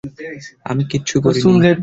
আমি কিচ্ছু করিনি!